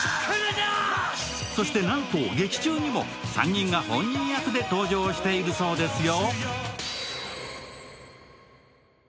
そして、なんと劇中にも３人が本人役で登場しているそうですよ。